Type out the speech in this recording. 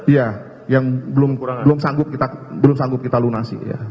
yang belum sanggup kita lunasi